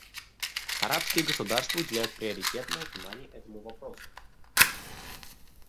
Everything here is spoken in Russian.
Арабские государства уделяют приоритетное внимание этому вопросу.